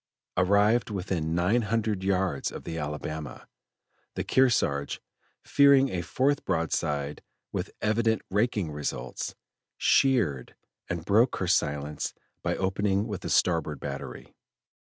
Arrived within nine hundred yards of the Alabama, the Kearsarge, fearing a fourth broadside with evident raking results, sheered and broke her silence by opening with the starboard battery.